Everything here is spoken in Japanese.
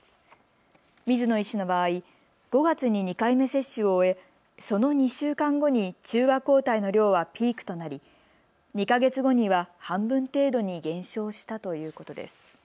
水野医師の場合、５月に２回目接種を終えその２週間後に中和抗体の量はピークとなり２か月後には半分程度に減少したということです。